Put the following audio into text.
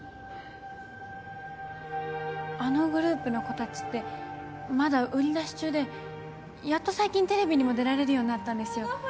あのグループの子達ってまだ売り出し中でやっと最近テレビにも出られるようになったんですよ